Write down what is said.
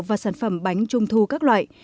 và sản phẩm bánh trung thu các loại